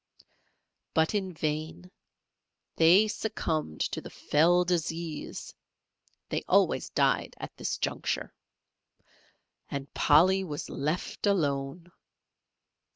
But in vain, they succumbed to the fell disease (they always died at this juncture) and Polly was left alone.